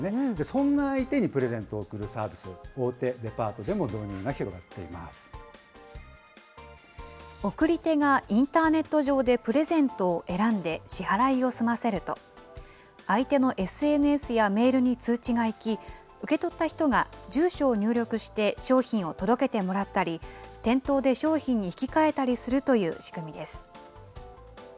そんな相手にプレゼントを贈るサービス、大手デパートでも導入が広がって送り手がインターネット上でプレゼントを選んで支払いを済ませると、相手のＳＮＳやメールに通知が行き、受け取った人が、住所を入力して商品を届けてもらったり、店頭で商品に引き換えたりするという仕組みです。